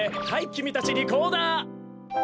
はいきみたちリコーダー。